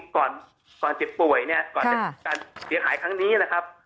ก่อนเจ็บป่วยก่อนเสียหายทั้งนี้นะครับ